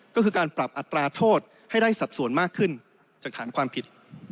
ก็คือการปรับอัตราโทษให้ได้สัดส่วนมากขึ้นจากฐานความผิด